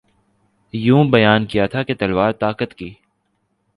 یوں بیان کیا تھا کہ تلوار طاقت کی